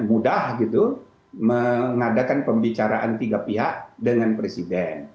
mudah gitu mengadakan pembicaraan tiga pihak dengan presiden